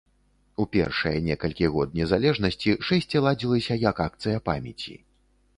У першыя некалькі год незалежнасці шэсце ладзілася як акцыя памяці.